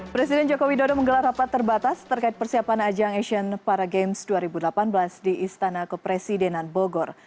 presiden jokowi dodo menggelar rapat terbatas terkait persiapan ajang asian para games dua ribu delapan belas di istana kepresidenan bogor